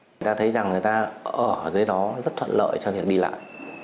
chúng ta thấy rằng người ta ở dưới đó rất thuận lợi cho việc đi lại